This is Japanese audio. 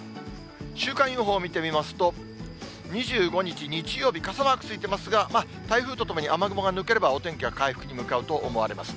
週間予報見てみますと、２５日日曜日、傘マークついてますが、台風とともに雨雲が抜ければお天気は回復に向かうと思います。